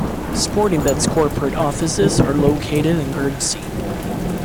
Sportingbet's corporate offices are located in Guernsey.